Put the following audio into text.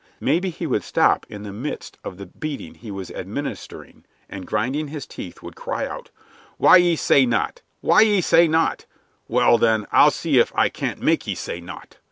Maybe he would stop in the midst of the beating he was administering, and, grinding his teeth, would cry out: "Won't ye say naught? Won't ye say naught? Well, then, I'll see if I can't make ye say naught."